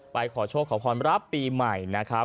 ขอโชคขอพรรับปีใหม่นะครับ